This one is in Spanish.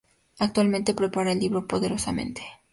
Actualmente prepara el libro "PoderosaMente".